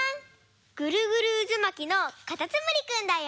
ぐるぐるうずまきのかたつむりくんだよ！